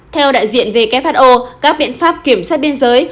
theo đại diện who các biện pháp kiểm soát biên giới